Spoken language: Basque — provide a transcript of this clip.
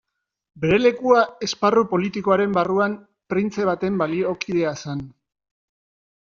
Bere lekua esparru politikoaren barruan printze baten baliokidea zen.